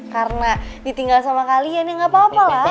karena ditinggal sama kalian ya gak apa apa lah